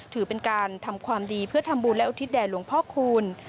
ถือเป็นการทำความดีเพื่อทำบุญและอุทิศแด่หลวงพ่อคูณ